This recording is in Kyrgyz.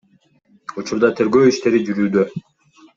Учурда тергөө иштери жүрүүдө.